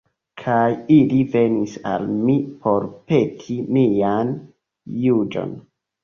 Kaj ili venis al mi por peti mian juĝon.